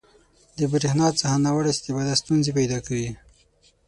• د برېښنا څخه ناوړه استفاده ستونزې پیدا کوي.